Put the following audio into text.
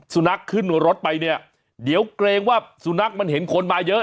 สุนัขขึ้นรถไปเนี่ยเดี๋ยวเกรงว่าสุนัขมันเห็นคนมาเยอะ